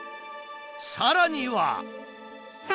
さらには。